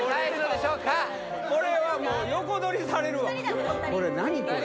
これはもう横取りされるわこれ何これ？